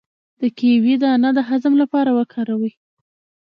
د کیوي دانه د هضم لپاره وکاروئ